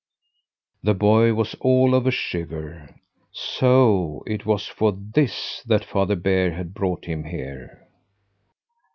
The boy was all of a shiver. So it was for this that Father Bear had brought him here!